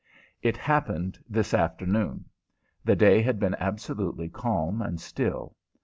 It happened this afternoon. The day had been absolutely calm and still.